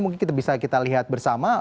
mungkin bisa kita lihat bersama